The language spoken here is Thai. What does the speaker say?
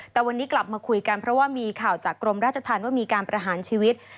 แต่วันนี้กลับมาคุยกันเพราะว่ามีข่าวจากกรมราชธรรมว่ามีการประหารชีวิต